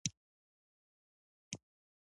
پخو لیدو کې حقیقت وي